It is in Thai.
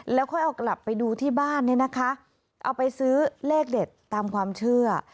แล้วค่อยเอากลับไปดูที่บ้านเนี่ยนะคะเอาไปซื้อเลขเด็ดตามความเชื่อ